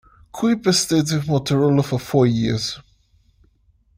Kuiper stayed with Motorola for four years.